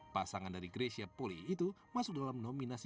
pasangan dari grecia poli itu masuk dalam nominasi